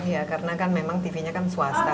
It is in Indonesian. iya karena kan memang tv nya kan swasta